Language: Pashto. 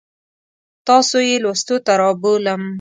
تاسو یې لوستو ته رابولم.